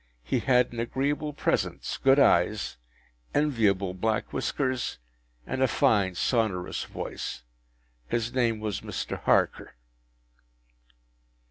He had an agreeable presence, good eyes, enviable black whiskers, and a fine sonorous voice. His name was Mr. Harker.